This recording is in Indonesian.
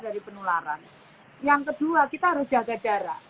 jadi kita harus menggunakan masker